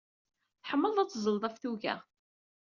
Tḥemmleḍ ad teẓẓleḍ ɣef tuga.